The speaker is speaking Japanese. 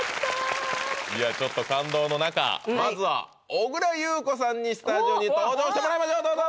いやちょっと感動の中まずは小倉優子さんにスタジオに登場してもらいましょうどうぞ！